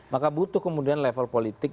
maka butuh kemudian level politik